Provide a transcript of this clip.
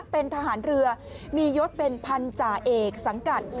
เป็นทหารเรือมียศเป็นพันธาเอกสังกัด